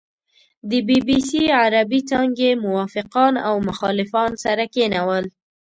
د بي بي سي عربې څانګې موافقان او مخالفان سره کېنول.